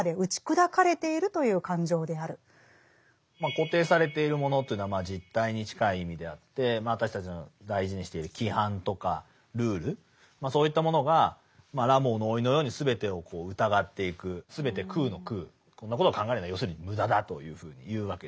「固定されているもの」というものは実体に近い意味であって私たちの大事にしている規範とかルールそういったものが「ラモーの甥」のように全てを疑っていく全て空の空こんなことを考えるのは要するに無駄だというふうに言うわけです。